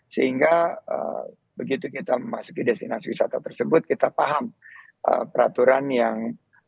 sehingga begitu kita memasuki destinasi wisata tersebut kita paham peraturan yang